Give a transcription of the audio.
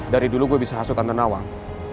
dari dulu gue bisa hasut tanda nawang